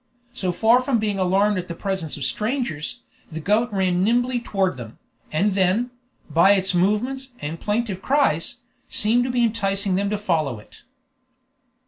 So far from being alarmed at the presence of strangers, the goat ran nimbly towards them, and then, by its movements and plaintive cries, seemed to be enticing them to follow it.